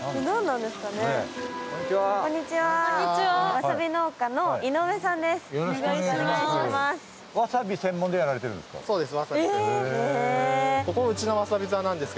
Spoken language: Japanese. わさび農家の井上さんです。